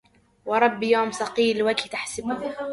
ورب يوم صقيل الوجه تحسبه